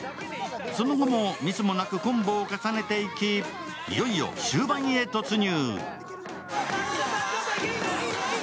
その後もミスもなくコンボを重ねていき、いよいよ終盤へ突入。